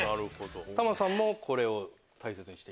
玉さんもこれを大切にしていた。